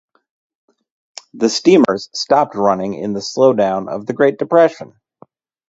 The Steamers stopped running in the slow down of the Great Depression.